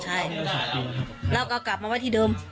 ใช่แล้วก็กลับมาไว้ที่เดิม